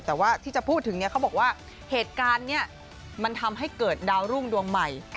แต่ว่าที่จะพูดถึงเนี่ยเขาบอกว่าเหตุการณ์นี้มันทำให้เกิดดาวรุ่งดวงใหม่